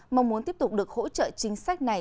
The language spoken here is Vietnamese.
mong muốn tiếp tục được hỗ trợ chính sách này